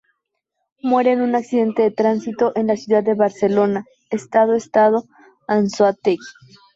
Muere en un accidente de tránsito en la ciudad de Barcelona Estado Estado Anzoátegui.